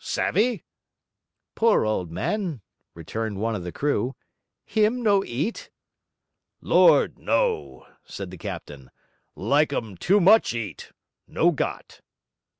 Savvy?' 'Poor old man!' returned one of the crew. 'Him no eat?' 'Lord, no!' said the captain. 'Like um too much eat. No got.'